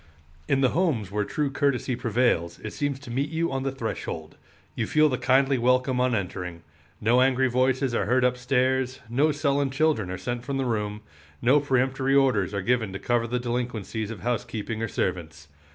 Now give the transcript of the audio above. In the homes where true courtesy prevails it seems to meet you on the threshold. You feel the kindly welcome on entering. No angry voices are heard up stairs, no sullen children are sent from the room, no peremptory orders are given to cover the delinquencies of housekeeping or servants.